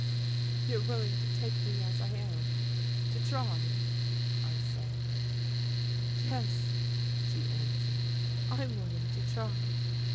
"You're willing to take me as I am, to try?" I said. "Yes," she answered, "I'm willing to try."